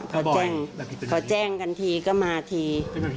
พอแจ้งกันทีก็มาที